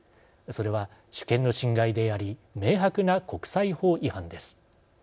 それは主権の侵害であり明白な国際法違反です。